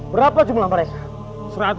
berapa jumlah mereka